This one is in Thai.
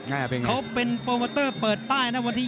เขาเป็นโปรโมเตอร์เปิดป้ายนะวันนี้